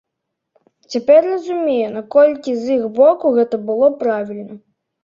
Цяпер разумею, наколькі з іх боку гэта было правільна.